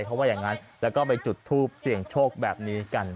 เขาว่าอย่างนั้นแล้วก็ไปจุดทูปเสี่ยงโชคแบบนี้กัน